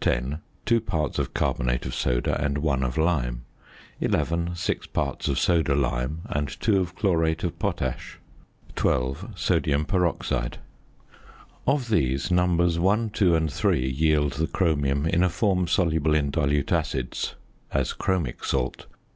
(10) 2 parts of carbonate of soda and 1 of lime. (11) 6 parts of soda lime and 2 of chlorate of potash. (12) Sodium peroxide. Of these, numbers 1, 2, and 3 yield the chromium in a form soluble in dilute acids, as chromic salt.